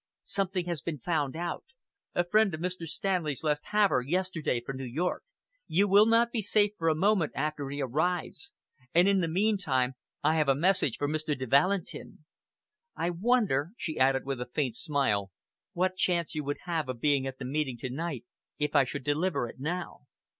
"Something has been found out. A friend of Mr. Stanley's left Havre yesterday for New York. You will not be safe for a moment after he arrives. And in the meantime, I have a message for Mr. de Valentin. I wonder," she added, with a faint smile, "what chance you would have of being at the meeting to night, if I should deliver it now?"